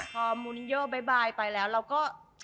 พอมุนเยอร์บ๊ายบายไปแล้วเราก็